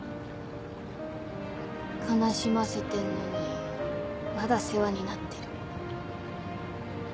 悲しませてんのにまだ世話になってる。